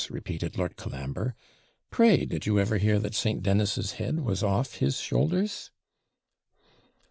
repeated Lord Colambre. 'Pray, did you ever hear that St. Dennis's head was off his shoulders?'